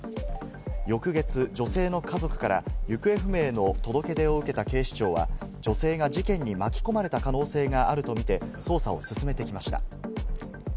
翌月、女性の家族から行方不明の届け出を受けた警視庁は女性が事件に巻き込まれた可能性があるとみて捜査を進めてきました。